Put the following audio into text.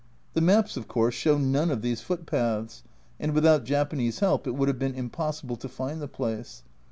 The maps of course show none of these footpaths, and without Japanese help it would have been impossible to find the place.